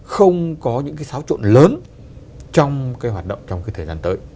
không có những cái xáo trộn lớn trong cái hoạt động trong cái thời gian tới